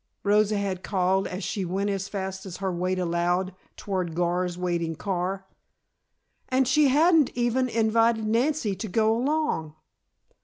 Rosa had called as she went as fast as her weight allowed, toward Gar's waiting car. And she hadn't even invited Nancy to go along!